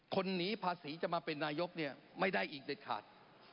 คนหนีภาษีจะมาเป็นนายกเนี่ยไม่ได้อีกเด็ดขาด